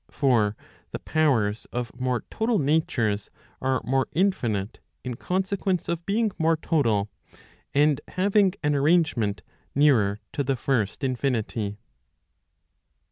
For the powers of more total natures are more infinite, in consequence of being more total, and having an arrange¬ ment nearer to the first infinity.